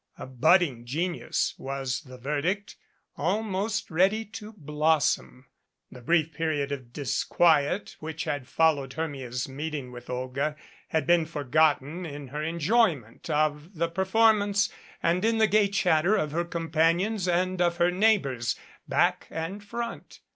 A budding genius, was the verdict, almost ready to blossom. The brief period of disquiet which had followed Hermia's meeting with Olga, had been forgotten in her enjoyment of the performance and in the gay chatter of her com panions and of her neighbors back and front.